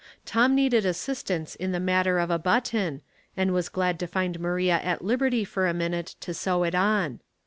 Tom needed assistance in the matter of a button, and was glad to find Maria at liberty for a minute to sew it on.